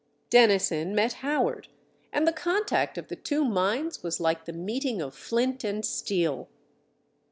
Dennison met Howard, and the contact of the two minds was like the meeting of flint and steel.